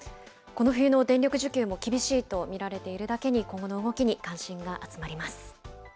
この冬の電力需給も厳しいと見られているだけに、今後の動きに関心が集まります。